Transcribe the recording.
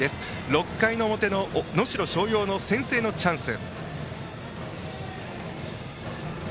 ６回表能代松陽の先制のチャンス。